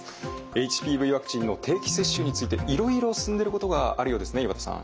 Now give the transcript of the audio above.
ＨＰＶワクチンの定期接種についていろいろ進んでることがあるようですね岩田さん。